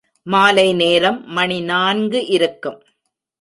மாலை நேரம் மணி நான்கு இருக்கும்.